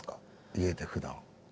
家でふだん。